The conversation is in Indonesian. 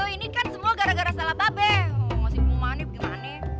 ini kan semua gara gara salah babe masih pumanin gimana